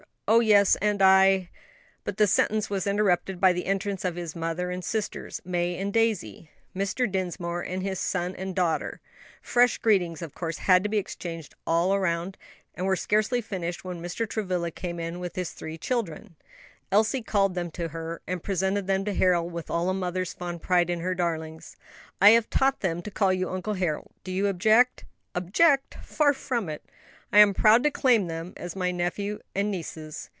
oh, yes, and I " But the sentence was interrupted by the entrance of his mother and sisters, May and Daisy, Mr. Dinsmore, and his son and daughter. Fresh greetings, of course, had to be exchanged all round, and were scarcely finished when Mr. Travilla came in with his three children. Elsie called them to her, and presented them to Harold with all a mother's fond pride in her darlings. "I have taught them to call you Uncle Harold. Do you object?" "Object? far from it; I am proud to claim them as my nephew and nieces."